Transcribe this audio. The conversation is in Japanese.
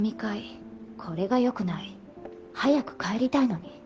これがよくない早く帰りたいのに